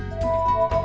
tác phẩm nghệ thuật